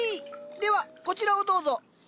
ではこちらをどうぞ。